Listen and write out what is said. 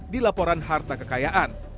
di laporan harta kekayaan